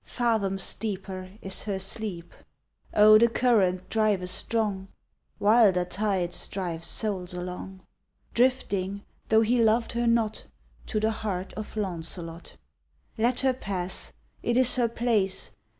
Fathoms deeper is her sleep. Oh! the current driveth strong. Wilder tides drive souls along. Drifting, though he loved her not, To the heart of Launcelot, Let her pass; it is her place.